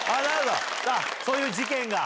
そういう事件が！